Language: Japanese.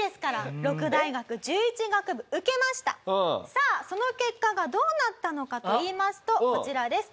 さあその結果がどうなったのかといいますとこちらです。